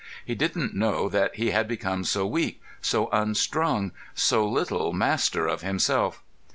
He didn't know that he had become so weak, so unstrung, so little master of himself.